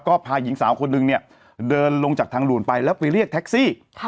ก็พาหญิงสาวคนหนึ่งเนี่ยเดินลงจากทางด่วนไปแล้วไปเรียกแท็กซี่